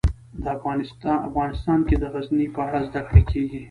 افغانستان کې د غزني په اړه زده کړه کېږي.